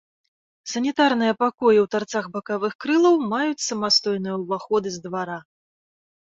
Санітарныя пакоі ў тарцах бакавых крылаў маюць самастойныя ўваходы з двара.